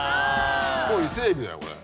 もう伊勢海老だよこれ。